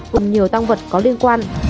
cùng nhiều tăng vật có liên quan